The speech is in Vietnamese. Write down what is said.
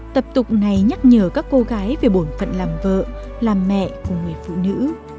tập tục này nhắc nhở các cô gái về bổn phận làm vợ làm mẹ của người phụ nữ